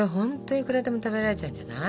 いくらでも食べられちゃうんじゃない？